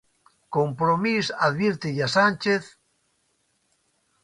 Compromís advírtelle a Sánchez...